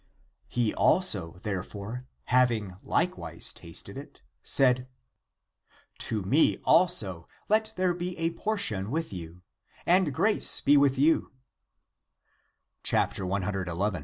He also, therefore, having likewise tasted it, said :" To me also let there be a portion with you, and grace be with you, O be lli.